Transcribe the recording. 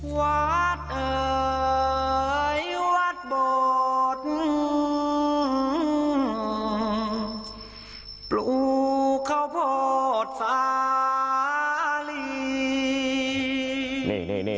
วัดเอ่ยวัดบดปลูกเข้าพดฟ้าหลี